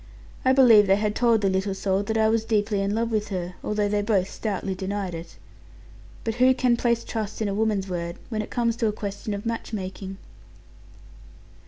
I believe they had told the little soul that I was deeply in love with her; although they both stoutly denied it. But who can place trust in a woman's word, when it comes to a question of match making?